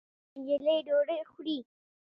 هغه نجلۍ ډوډۍ خوري